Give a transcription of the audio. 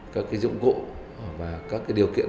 các dụng cụ và các điều kiện